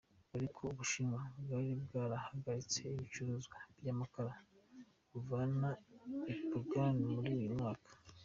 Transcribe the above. Ariko Ubushinwa bwari bwarahagaritse ibicuruzwa by'amakara buvana i Pyongyang muri uyu mwaka.